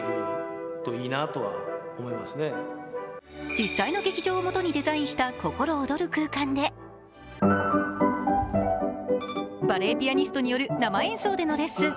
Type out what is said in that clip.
実際の劇場をもとにデザインした心踊る空間でバレエピアニストによる生演奏でのレッスン